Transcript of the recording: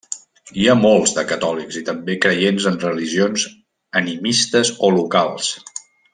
Hi ha molts de catòlics i també creients en religions animistes o locals.